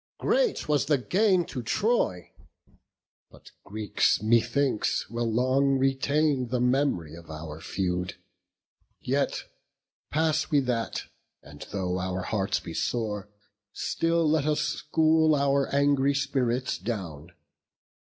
Great was the gain to Troy; but Greeks, methinks, Will long retain the mem'ry of our feud. Yet pass we that; and though our hearts be sore, Still let us school our angry spirits down.